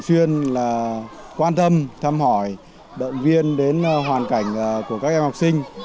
xuyên là quan tâm thăm hỏi động viên đến hoàn cảnh của các em học sinh